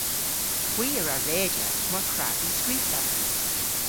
Hwi a wra redya mar kwrav vy skrifa.